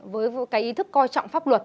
với cái ý thức coi trọng pháp luật